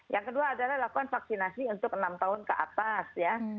yang kedua adalah lakukan vaksinasi untuk enam tahun ke atas ya